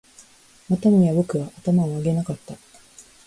またもや僕は頭を上げなかった